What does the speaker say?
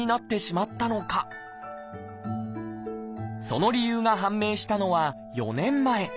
その理由が判明したのは４年前。